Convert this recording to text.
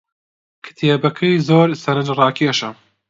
کتێبەکەی زۆر سەرنجڕاکێشە.